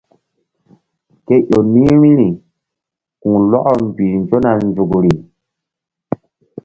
Ke ƴo ni̧h vbi̧ri ku̧lɔkɔ mbih nzona nzukri.